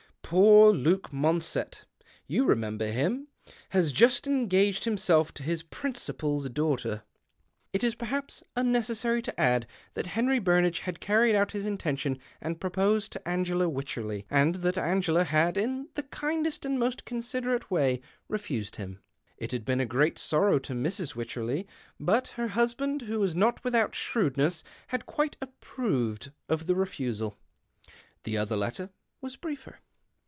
Poor Luke Monsett — you remember him — has just engaged himself to his principal's daughter," 122 THE OCTAVE OF CLAUDIUS. It is, perhaps, unnecessary to add that Henry Burnage had carried out his intention and proposed to Angela Wycherley, and that Angela had in the kindest and most considerate way refused him. It had been a great sorrow to Mrs. Wycherley, but her husband, who was not without shrewdness, had quite approved of the refusal. The other letter was briefer.